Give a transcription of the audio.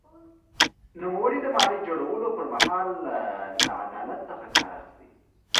نوموړي د ماڼۍ د جوړولو پر مهال له عدالت کار اخیستی.